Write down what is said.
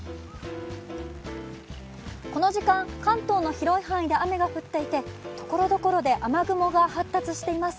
この時間、関東の広い範囲で雨が降っていてところどころで雨雲が発達しています。